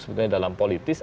sebenarnya dalam politis